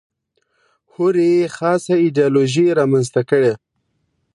هرې خاصه ایدیالوژي رامنځته کړې.